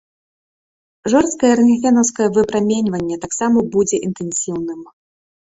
Жорсткае рэнтгенаўскае выпраменьванне таксама будзе інтэнсіўным.